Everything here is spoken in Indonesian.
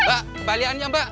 mbak kembali aja mbak